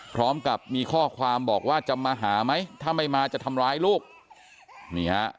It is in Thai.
พร้อมกับมีข้อความบอกว่าจะมาหาไหมถ้าไม่มาจะทำร้ายลูกนี่ฮะ